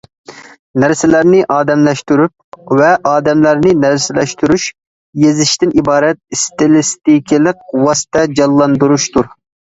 نەرسىلەرنى ئادەملەشتۈرۈپ ۋە ئادەملەرنى نەرسىلەشتۈرۈش يېزىشتىن ئىبارەت ئىستىلىستىكىلىق ۋاسىتە جانلاندۇرۇشتۇر.